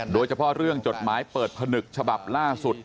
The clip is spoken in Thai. โดยเฉพาะเรื่องจดหมายเปิดผนึกฉบับล่าสุด